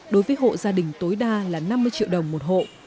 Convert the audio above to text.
đối với hộ gia đình tối đa là năm mươi triệu đồng một hộ